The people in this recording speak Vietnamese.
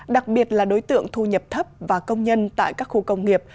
đặc biệt là đối tượng thu nhập thấp và công nhân tại các khu công nghiệp